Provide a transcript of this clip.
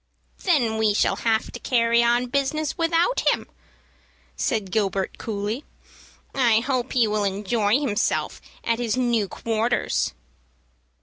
"Then we shall have to carry on business without him," said Gilbert, coolly. "I hope he will enjoy himself at his new quarters."